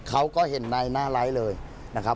เขาก็เห็นในหน้าไลค์เลยนะครับ